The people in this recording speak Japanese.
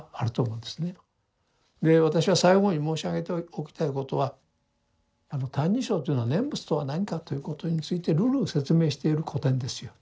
で私は最後に申し上げておきたいことは「歎異抄」というのは念仏とは何かということについて縷々説明している古典ですよ。